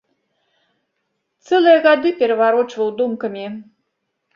Цэлыя гады пераварочваў думкамі.